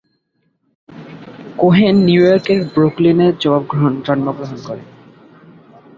Cohen নিউইয়র্কের ব্রুকলিনে জন্মগ্রহণ করেন।